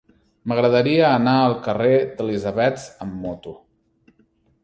M'agradaria anar al carrer d'Elisabets amb moto.